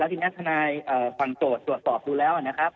ทีนี้ทนายฝั่งโจทย์ตรวจสอบดูแล้วนะครับ